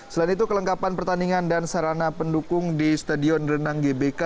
selain itu kelengkapan pertandingan dan sarana pendukung di stadion renang gbk